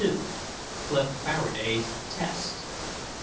CLIF FARADAY'S TEST.